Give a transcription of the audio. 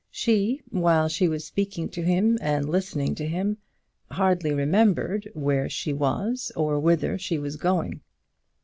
She, while she was speaking to him and listening to him, hardly remembered where she was or whither she was going.